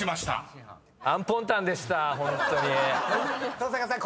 ［登坂さん